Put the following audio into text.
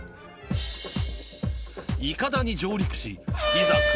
いかだに上陸しいざ